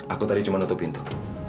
aku tadi cuma nutup pintu